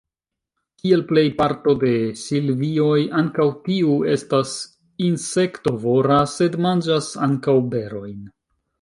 Kiel plej parto de silvioj, ankaŭ tiu estas insektovora, sed manĝas ankaŭ berojn.